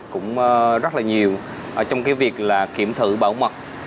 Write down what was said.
cũng rất là nhiều trong cái việc là kiểm thử bảo mật